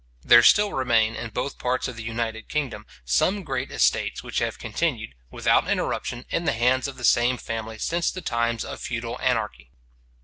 There still remain, in both parts of the united kingdom, some great estates which have continued, without interruption, in the hands of the same family since the times of feudal anarchy.